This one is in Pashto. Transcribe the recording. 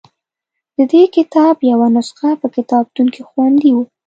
د دې کتاب یوه نسخه په کتابتون کې خوندي وه.